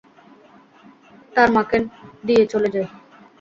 তার মাকে দিয়ে চলে যাই।